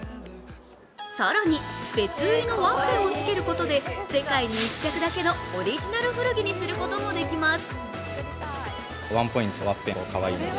更に別売りのワッペンをつけることで世界に１着だけのオリジナル古着にすることもできます。